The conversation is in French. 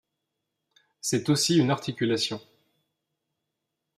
C'est aussi une articulation.